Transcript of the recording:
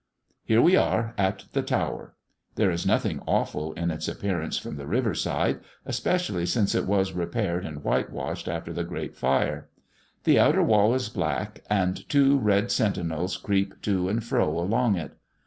Here we are at the Tower! There is nothing awful in its appearance from the river side, especially since it was repaired and whitewashed, after the great fire. The outer wall is black, and two red sentinels creep to and fro along it.